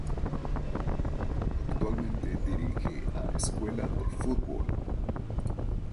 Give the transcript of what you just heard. Actualmente dirige a Escuela de Fútbol.